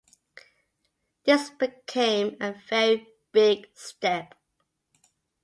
This became a very big step.